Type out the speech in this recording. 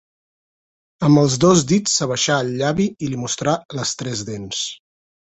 Amb els dos dits s’abaixà el llavi i li mostrà les tres dents.